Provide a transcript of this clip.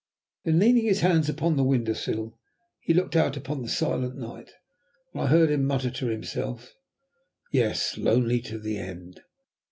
Then leaning his hands upon the window sill, he looked out upon the silent night, and I heard him mutter to himself, "Yes, lonely to the End."